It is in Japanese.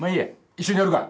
一緒にやるか。